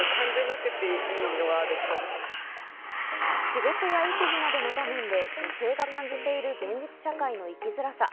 仕事や育児などの場面で女性が感じている、現実社会での生きづらさ。